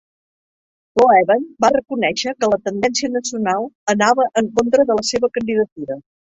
Loewen va reconèixer que la tendència nacional anava en contra de la seva candidatura.